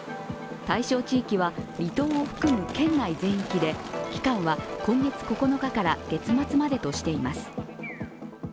対象地域は離島を含む県内全域で期間は今月９日から月末までとしています。